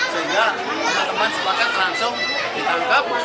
sehingga teman teman sepakat langsung ditangkap